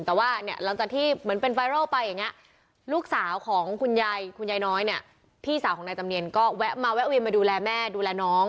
แต่ว่าเนี่ยหลังจากที่เหมือนเป็นไวรัลไปอย่างนี้ลูกสาวของคุณยายคุณยายน้อยเนี่ยพี่สาวของนายจำเนียนก็แวะมาแวะเวียนมาดูแลแม่ดูแลน้อง